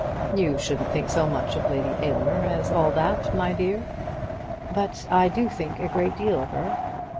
"You shouldn't think so much of Lady Aylmer as all that, my dear." "But I do think a great deal of her."